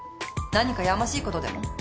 何かやましいことでも？